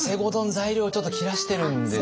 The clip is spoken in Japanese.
材料ちょっと切らしてるんですよね。